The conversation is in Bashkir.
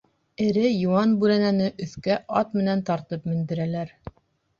Эре, йыуан бүрәнәне өҫкә ат менән тартып мендерәләр.